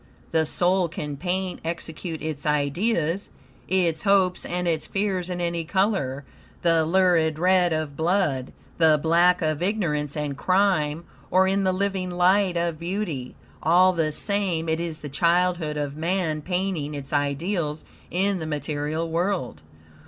The soul can paint, execute its ideas, its hopes and its fears in any color the lurid red of blood, the black of ignorance and crime, or in the living light of beauty. All the same, it is the childhood of man painting its ideals in the material world.